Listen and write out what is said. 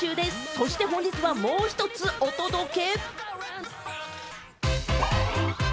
そして本日はもう一つ、お届け。